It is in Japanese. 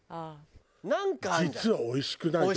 実はおいしくないとかね。